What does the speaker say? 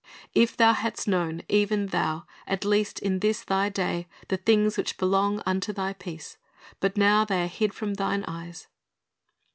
"If thou hadst known, even thou, at least in this thy day, the things which belong unto thy peace ! but now they are hid from thine eyes."'